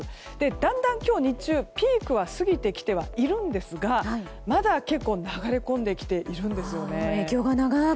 だんだん、今日の日中ピークは過ぎてはいるんですがまだ結構流れ込んできているんです。